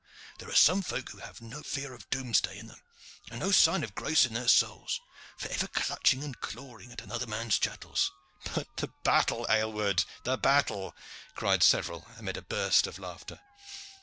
there are some folk who have no fear of Domesday in them, and no sign of grace in their souls, for ever clutching and clawing at another man's chattels." "But the battle, Aylward, the battle!" cried several, amid a burst of laughter.